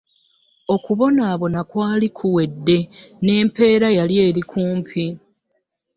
Okubonaabona kwali kuwedde, n'empeera yali eri kumpi.